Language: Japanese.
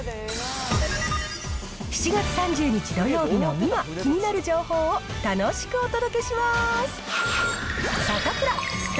７月３０日土曜日の今、気になる情報を楽しくお届けします。